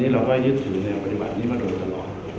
เราก็ยึดถือแนวปฏิบัตินี้มาโดยตลอด